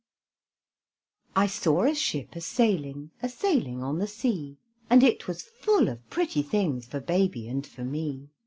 I saw a ship a sailing, A sailing on the sea; And it was full of pretty things For baby and for me.